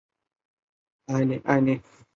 苏丹阿拉伯语是苏丹使用的阿拉伯语变体。